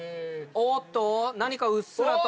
おおっと何かうっすらと。